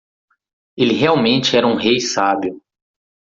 Ele realmente era um rei sábio.